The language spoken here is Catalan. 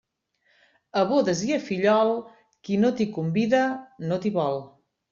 A bodes i a fillol, qui no t'hi convida, no t'hi vol.